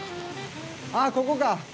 あっ、ここか。